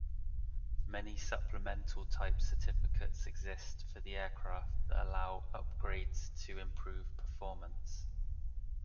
Many supplemental type certificates exist for the aircraft that allow upgrades to improve performance.